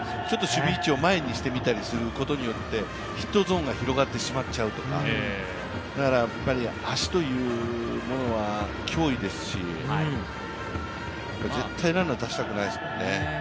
ちょっと守備位置を前にしたりすることによってヒットゾーンが広がってしまっちゃうとか足というものは脅威ですし絶対、ランナー出したくないですもんね。